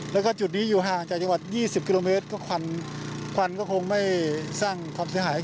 แล้วก็จุดนี้อยู่ห่างจากจังหวัด๒๐กิโลเมตรก็ควันก็คงไม่สร้างความเสียหาย